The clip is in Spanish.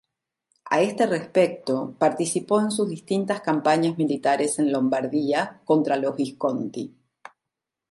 A este respecto, participó en sus distintas campañas militares en Lombardía, contra los Visconti.